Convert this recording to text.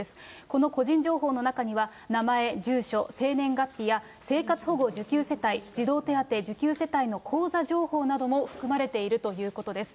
この個人情報の中には、名前、住所、生年月日や、生活保護受給世帯、児童手当受給世帯の口座情報なども含まれているということです。